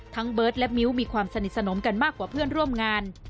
เบิร์ตและมิ้วมีความสนิทสนมกันมากกว่าเพื่อนร่วมงาน